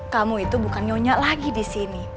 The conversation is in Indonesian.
kamu itu bukan nyonya lagi disini